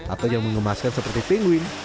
atau yang mengemaskan seperti pinguine